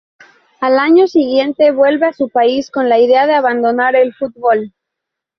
Al año siguiente vuelve a su país con la idea de abandonar el fútbol.